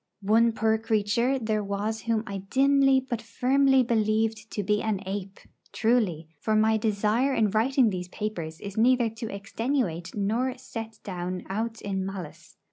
One poor creature there was whom I dimly but firmly believed to be an ape; truly, for my desire in writing these papers is neither to extenuate nor set down aught in malice.